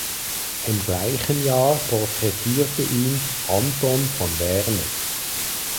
Im gleichen Jahr porträtierte ihn Anton von Werner.